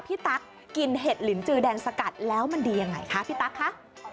ตั๊กกินเห็ดลินจือแดงสกัดแล้วมันดียังไงคะพี่ตั๊กคะ